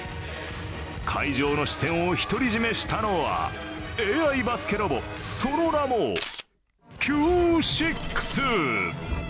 会場の視線を独り占めしたのはＡＩバスケロボ、その名もＣＵＥ６。